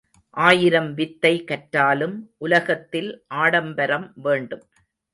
ஆயிரம் வித்தை கற்றாலும் உலகத்தில் ஆடம்பரம் வேண்டும்.